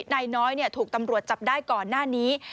นายน้อยถูกตำรวจจับได้ก่อนหน้านี้